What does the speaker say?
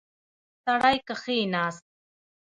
سړی کښیناست.